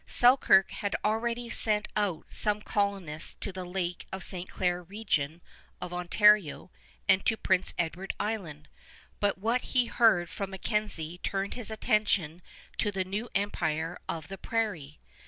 Selkirk had already sent out some colonists to the Lake St. Clair region of Ontario and to Prince Edward Island, but what he heard from MacKenzie turned his attention to the new empire of the prairie.